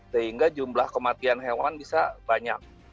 sehingga jumlah kematian hewan bisa banyak